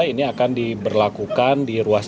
ini akan diberlakukan di ruas